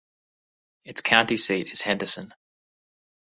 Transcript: Its county seat is Henderson.